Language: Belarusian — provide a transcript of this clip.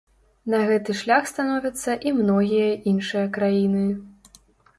На гэты шлях становяцца і многія іншыя краіны.